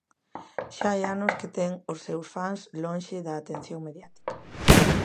Xa hai anos que ten os seus fans, lonxe da atención mediática.